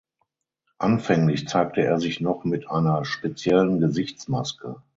Anfänglich zeigte er sich noch mit einer speziellen Gesichtsmaske.